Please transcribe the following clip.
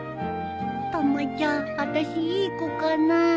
たまちゃんあたしいい子かな？